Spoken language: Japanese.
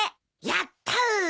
やったー！